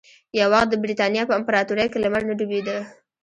یو وخت د برېتانیا په امپراتورۍ کې لمر نه ډوبېده.